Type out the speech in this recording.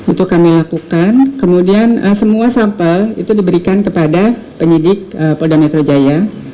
itu kami lakukan kemudian semua sampel itu diberikan kepada penyidik polda metro jaya